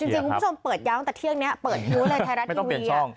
จริงคุณผู้ชมเปิดย้อนตั้งแต่เที่ยงนี้เปิดยูอะไรไทยรัฐทีวี